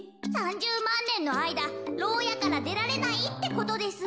３０まんねんのあいだろうやからでられないってことです。